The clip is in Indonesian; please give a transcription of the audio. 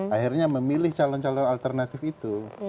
akhirnya memilih calon calon alternatif itu